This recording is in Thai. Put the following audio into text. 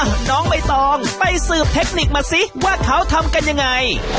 น้องใบตองไปสืบเทคนิคมาซิว่าเขาทำกันยังไง